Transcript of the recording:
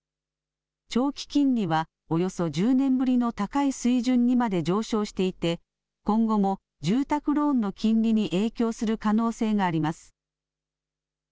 長期金利はおよそ１０年ぶりの高い水準にまで上昇していて、今後も住宅ローンの金利に影響する可能性があります。